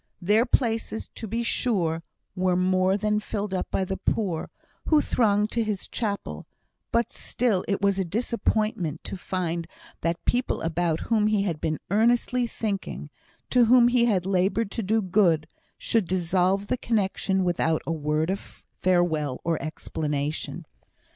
Their places, to be sure, were more than filled up by the poor, who thronged to his chapel; but still it was a disappointment to find that people about whom he had been earnestly thinking to whom he had laboured to do good should dissolve the connexion without a word of farewell or explanation.